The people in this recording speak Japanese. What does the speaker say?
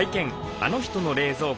あの人の冷蔵庫